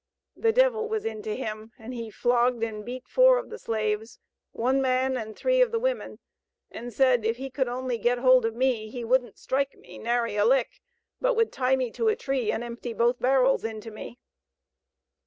The devil was into him, and he flogged and beat four of the slaves, one man and three of the women, and said if he could only get hold of me he wouldn't strike me, 'nary a lick,' but would tie me to a tree and empty both barrels into me.